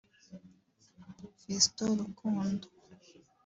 Fiston Rukundo